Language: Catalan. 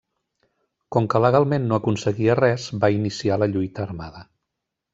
Com que legalment no aconseguia res, va iniciar la lluita armada.